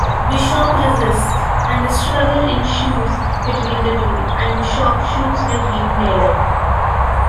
Bishop resists, and a struggle ensues between the two, and Bishop shoots Raheem dead.